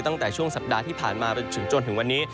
ตั้งแต่ช่วงสัปดาห์ที่ผ่านมาไปถึงจนถึงวันนี้